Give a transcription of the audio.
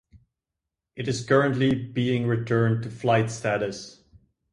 It is currently being returned to flight status.